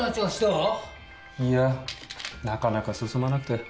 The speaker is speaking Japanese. いやなかなか進まなくて。